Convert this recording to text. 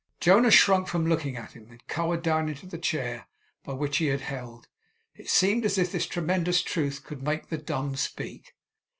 Jonas shrunk from looking at him, and cowered down into the chair by which he had held. It seemed as if this tremendous Truth could make the dumb speak.